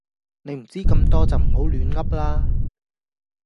你唔知咁多就唔好亂嗡啦